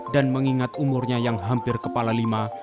dan mengingat umurnya yang hampir kepala lima